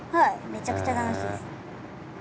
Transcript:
めちゃくちゃ楽しいです。